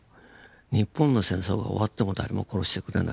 日本の戦争が終わっても誰も殺してくれない。